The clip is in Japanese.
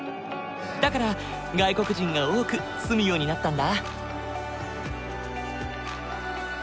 だから外国人が多く住むようになったんだ。